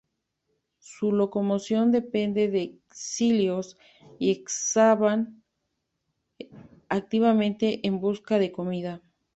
Su locomoción depende de cilios, y excavan activamente en busca de comida.